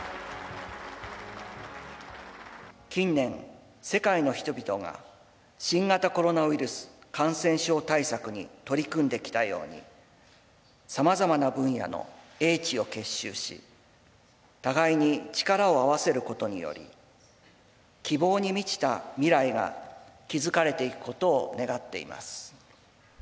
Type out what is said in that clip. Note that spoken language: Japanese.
近年、世界の人々が新型コロナウイルス感染症対策に取り組んできたように、さまざまな分野の英知を結集し、互いに力を合わせることにより、希望に満ちた未来が築かれていくことを願っています。